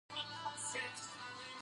زه نن کار نه کوم.